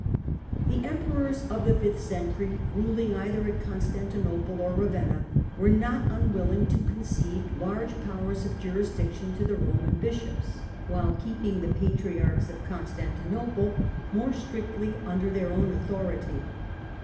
The emperors of the fifth century, ruling either at Constantinople or Ravenna, were not unwilling to concede large powers of jurisdiction to the Roman bishops, while keeping the Patriarchs of Constantinople more strictly under their own authority.